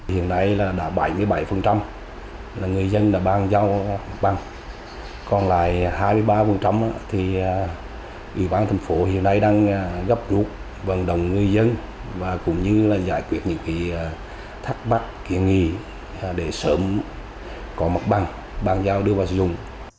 hiện nay là đã bảy mươi bảy là người dân đã bàn giao mặt bằng còn lại hai mươi ba thì ubnd hiện nay đang gấp rút vận động người dân và cũng như là giải quyết những thắc mắc kiến nghị để sớm có mặt bằng bàn giao đưa vào sử dụng